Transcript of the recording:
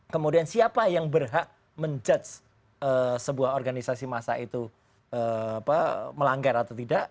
kemudian siapa yang berhak menjudge sebuah organisasi masa itu melanggar atau tidak